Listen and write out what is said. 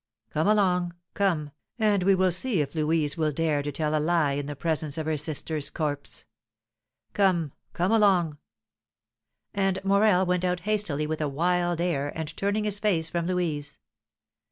Come along, come, and we will see if Louise will dare to tell a lie in the presence of her sister's corpse. Come! Come along!" And Morel went out hastily with a wild air, and turning his face from Louise.